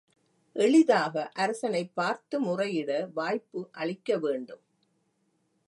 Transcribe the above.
எளிதாக அரசனைப் பார்த்து முறையிட வாய்ப்பு அளிக்க வேண்டும்.